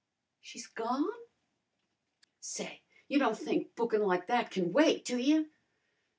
"She's gone?" "Say, you don' think bookin' like that can wait, do you?